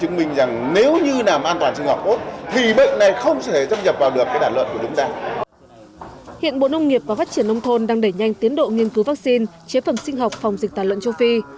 hiện bộ nông nghiệp và phát triển nông thôn đang đẩy nhanh tiến độ nghiên cứu vaccine chế phẩm sinh học phòng dịch tàn lợn châu phi